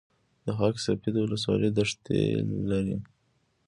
د خاک سفید ولسوالۍ دښتې لري